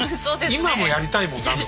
今もやりたいもん。